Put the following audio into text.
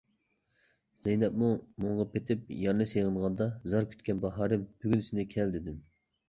زەينەپمۇ مۇڭغا پېتىپ يارنى سېغىنغاندا، زار كۈتكەن باھارىم، بۈگۈن سېنى كەل دېدىم.